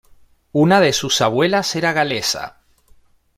Una de sus abuelas era galesa.